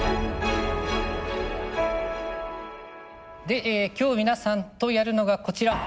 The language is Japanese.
で今日皆さんとやるのがこちら。